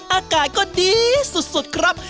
อากาศก็ดีสุดครับ